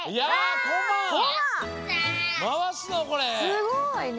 すごいね！